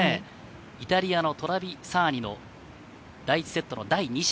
イタリアのトラビサーニの第１セットの第２射。